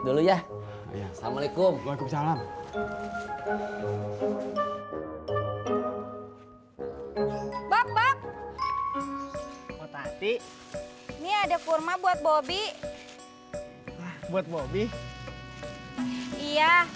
dulu ya assalamualaikum waalaikumsalam bapak ini ada kurma buat bobby buat bobby iya